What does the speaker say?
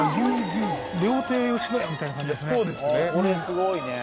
料亭「野家」みたいな感じですね。